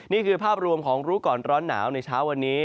นี่คือภาพรวมของรู้ก่อนร้อนหนาวในเช้าวันนี้